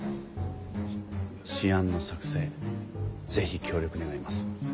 私案の作成是非協力願います。